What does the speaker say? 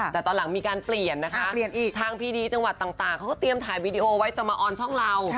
แต่ตอนหลังมีการเปลี่ยนนะคะเปลี่ยนอีกทางพีดีจังหวัดต่างเขาก็เตรียมถ่ายวีดีโอไว้จะมาออนช่องเรา